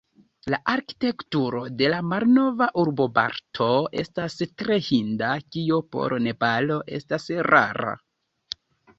La arkitekturo de la malnova urboparto estas tre hinda, kio por Nepalo estas rara.